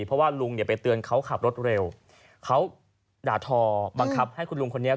เพราะว่าลุงเนี่ยไปเตือนเขาขับรถเร็วเขาด่าทอบังคับให้คุณลุงคนนี้